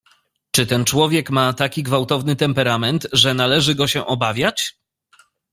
"Czy ten człowiek ma taki gwałtowny temperament, że należy go się obawiać?"